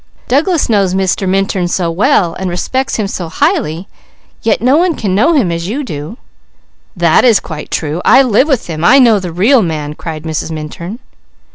Douglas knows Mr. Minturn so well, and respects him so highly, yet no one can know him as you do " "That is quite true! I live with him! I know the real man!" cried Mrs. Minturn.